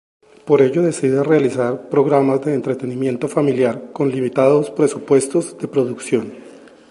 Por ello decide realizar programas de entretenimiento familiar con limitados presupuestos de producción.